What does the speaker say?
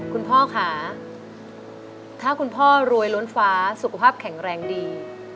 คุณพ่อค่ะถ้าคุณพ่อรวยล้นฟ้าสุขภาพแข็งแรงดี